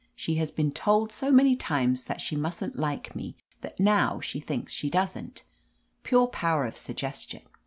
She has b^en told so many times that she mustn't like me that now she thinks she doesn't. Pure power of sug gestion.